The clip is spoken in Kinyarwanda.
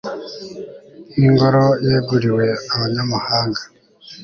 n'ingoro yeguriwe abanyamahanga